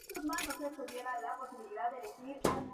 Todo en el mayor improviso.